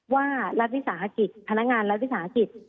ว่ารัฐศาสตร์ธรรมกิจพนักงานรัฐศาสตร์ธรรมกิจ